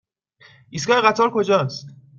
ایستگاه قطار کجاست؟